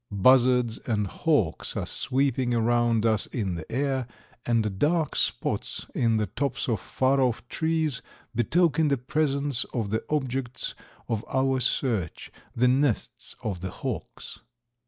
Buzzards and hawks are sweeping around us in the air, and dark spots in the tops of far off trees betoken the presence of the objects of our search, the nests of the hawks.